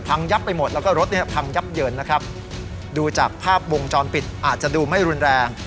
ยับไปหมดแล้วก็รถเนี่ยพังยับเยินนะครับดูจากภาพวงจรปิดอาจจะดูไม่รุนแรง